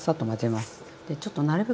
でちょっとなるべく早く。